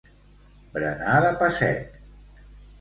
Berenar de pa sec.